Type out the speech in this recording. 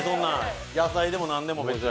野菜でも何でも。